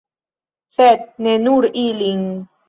Sed ne nur ilin.